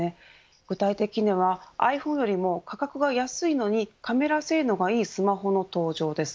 具体的にはｉＰｈｏｎｅよりも価格が安いのにカメラ性能がいいスマホの登場です。